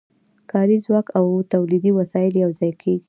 کاري ځواک او تولیدي وسایل یوځای کېږي